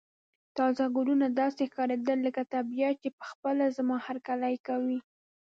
تازه ګلونه داسې ښکاریدل لکه طبیعت چې په خپله زما هرکلی کوي.